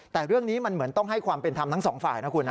แต่เรื่องนี้มันเหมือนต้องให้ความเป็นธรรมทั้งสองฝ่ายนะคุณนะ